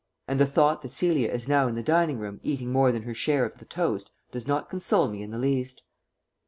And the thought that Celia is now in the dining room eating more than her share of the toast does not console me in the least.